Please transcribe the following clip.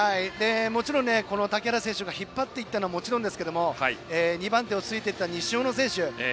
もちろん、竹原選手が引っ張っていったのはもちろんですけれども２番手でついていった西小野選手。